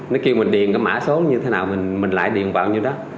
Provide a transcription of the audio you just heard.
nếu kêu mình điền cái mã số như thế nào mình lại điền vào như đó